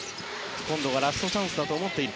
今度がラストチャンスだと思っている。